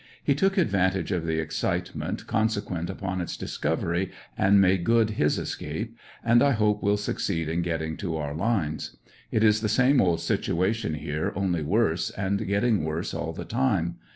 He took advantage of the excitement consequent upon its discovery and made good his escape, and I hope will succeed in getting to our lines. It is the same old situation here only worse, and getting worse all the time.